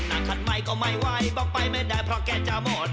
นายหาไม่ไหวบอกไปไม่ได้เพราะแกจะหมด